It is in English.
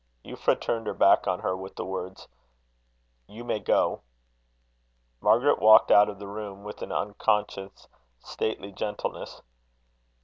Euphra turned her back on her, with the words: "You may go." Margaret walked out of the room with an unconscious stately gentleness.